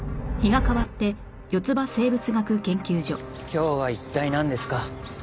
今日は一体なんですか？